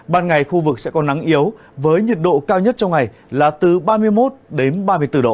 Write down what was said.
ban ngày khu vực sẽ có nắng yếu với nhiệt độ cao nhất trong ngày là từ ba mươi một đến ba mươi bốn độ